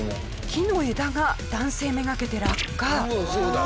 木の枝が男性目がけて落下。